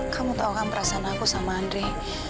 kamu tahu kan perasaan aku sama andre